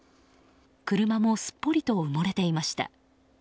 車もすっぽりと埋もれていました。